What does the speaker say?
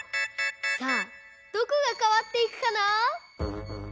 さあどこがかわっていくかな？